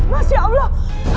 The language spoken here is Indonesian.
mas ya allah